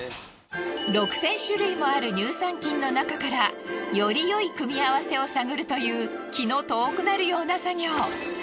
６，０００種類もある乳酸菌の中からよりよい組み合わせを探るという気の遠くなるような作業。